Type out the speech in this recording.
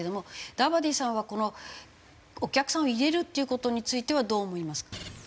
ダバディさんはこのお客さんを入れるっていう事についてはどう思いますか？